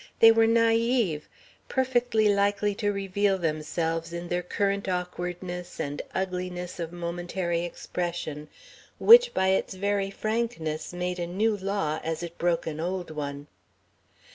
They were naïve, perfectly likely to reveal themselves in their current awkwardness and ugliness of momentary expression which, by its very frankness, made a new law as it broke an old one.